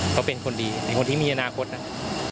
เขาเป็นคนดีเป็นคนที่มีอนาคตนะ